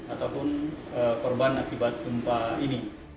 ataupun korban akibat gempa ini